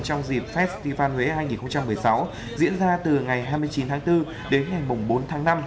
trong dịp festival huế hai nghìn một mươi sáu diễn ra từ ngày hai mươi chín tháng bốn đến ngày bốn tháng năm